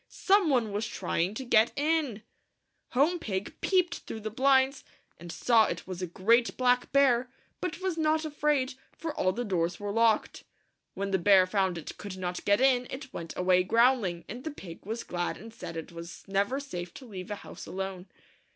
Some one was trying to get in ! Home Pig peeped through the blinds, and saw it was a great black bear, but was not afraid, for all the doors were locked. When the bear found it could not get in, it went away growling, and the pig was glad and said it was never safe to leave a house alone.